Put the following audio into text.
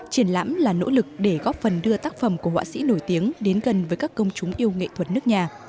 triển lãm là nỗ lực để góp phần đưa tác phẩm của họa sĩ nổi tiếng đến gần với các công chúng yêu nghệ thuật nước nhà